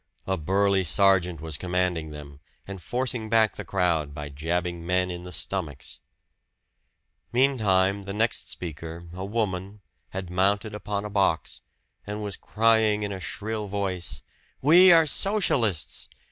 A burly sergeant was commanding them, and forcing back the crowd by jabbing men in the stomachs. Meantime the next speaker, a woman, had mounted upon a box, and was crying in a shrill voice: "We are Socialists!